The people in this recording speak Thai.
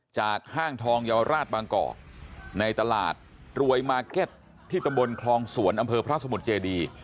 ห้างทองเยาวราชบางกอกในตลาดรวยมาร์เก็ตที่ตำบลคลองสวนอำเภอพระสมุทรเจดี